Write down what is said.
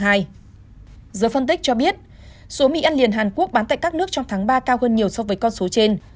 giới phân tích cho biết số mì ăn liền hàn quốc bán tại các nước trong tháng ba cao hơn nhiều so với con số trên